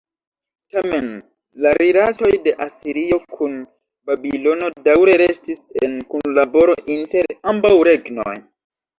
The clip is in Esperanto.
Tamen, la rilatoj de Asirio kun Babilono, daŭre restis en kunlaboro inter ambaŭ regnoj.